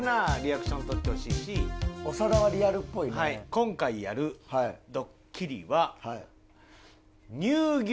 今回やるドッキリは。